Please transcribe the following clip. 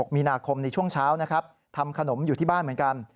มีนาคมในช่วงเช้านะครับทำขนมอยู่ที่บ้านเหมือนกัน